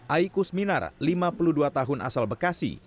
aikus minar lima puluh dua tahun asal bekasi